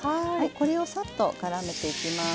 これをサッとからめていきます。